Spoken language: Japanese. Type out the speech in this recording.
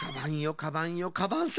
カバンよカバンさん。